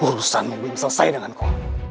urusan membuat selesai dengan kau